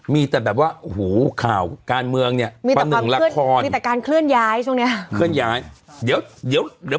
มีแต่แบบว่าหูข่าวการเมืองเนี่ย